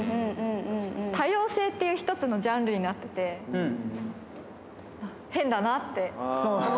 多様性っていう一つのジャンルになってて、変だなって。